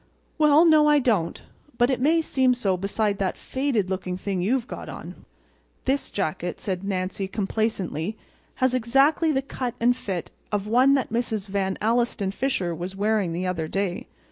"Well, no I don't—but it may seem so beside that faded looking thing you've got on." "This jacket," said Nancy, complacently, "has exactly the cut and fit of one that Mrs. Van Alstyne Fisher was wearing the other day.